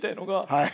はい。